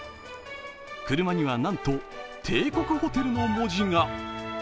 車にはなんと、帝国ホテルの文字が。